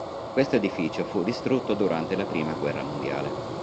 Questo edificio fu distrutto durante la Prima guerra mondiale.